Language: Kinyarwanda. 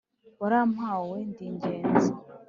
warampawe ndi ingenzi